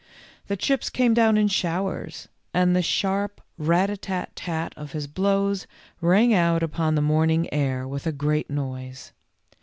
The chips came down in showers, and the sharp rat a tat tat of his blows rang out upon the morning air with a great noise.